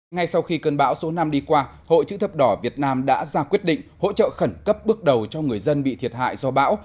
ngay sau khi cơn bão số năm đi qua hội chữ thập đỏ việt nam đã ra quyết định hỗ trợ khẩn cấp bước đầu cho người dân bị thiệt hại do bão